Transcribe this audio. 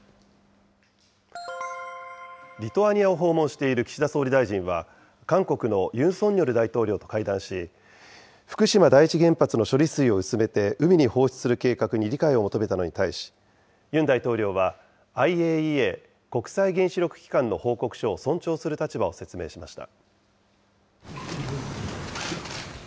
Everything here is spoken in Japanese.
リトアニアを訪問している岸田総理大臣は、韓国のユン・ソンニョル大統領と会談し、福島第一原発の処理水を薄めて海に放出する計画に理解を求めたのに対し、ユン大統領は、ＩＡＥＡ・国際原子力機関の報告書を尊重する立場を説明しました。